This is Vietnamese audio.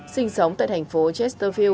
sinh sống tại thành phố chesterfield